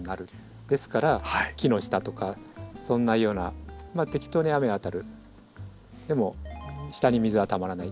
ですから木の下とかそんなようなまあ適当に雨が当たるでも下に水がたまらない